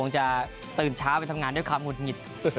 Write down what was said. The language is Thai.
จะตึงเช้าก็ทำงานด้วยคำหวุดหยิด